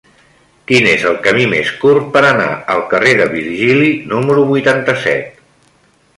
Quin és el camí més curt per anar al carrer de Virgili número vuitanta-set?